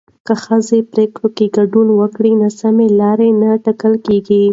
که ښځې پرېکړو کې ګډون وکړي، ناسمې لارې نه ټاکل کېږي.